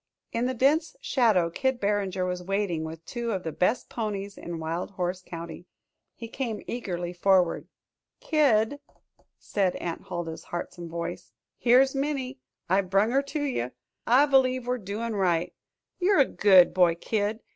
In the dense shadow Kid Barringer was waiting with two of the best ponies in Wild Horse County. He came eagerly forward. "Kid," said Aunt Huldah's heartsome voice, "here's Minnie I've brung her to you. I b'lieve we're doin' right. You're a good boy, Kid.